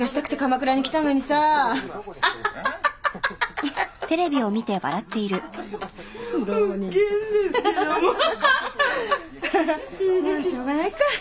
まあしょうがないか。